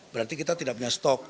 berarti kita tidak punya stok